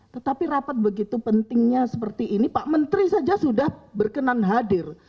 tetapi rapat begitu pentingnya seperti ini pak menteri saja sudah berkenan hadir